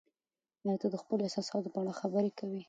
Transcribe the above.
ایا ته د خپلو احساساتو په اړه خبرې کوې؟